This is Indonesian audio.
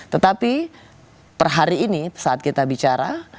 tetapi per hari ini saat kita bicara